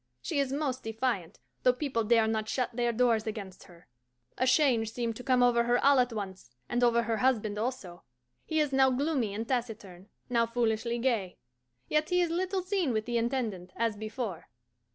She is most defiant, though people dare not shut their doors against her. A change seemed to come over her all at once, and over her husband also. He is now gloomy and taciturn, now foolishly gay, yet he is little seen with the Intendant, as before.